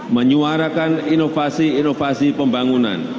menyuarakan inovasi inovasi pembangunan